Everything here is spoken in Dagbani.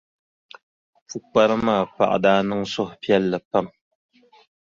Pukpara maa paɣa daa niŋ suhupiɛlli pam.